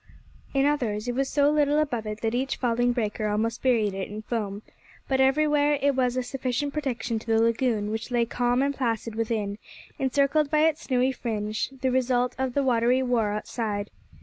In others, it was so little above it that each falling breaker almost buried it in foam; but everywhere it was a sufficient protection to the lagoon, which lay calm and placid within, encircled by its snowy fringe, the result of the watery war outside.